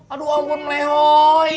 aduh ampun melehoi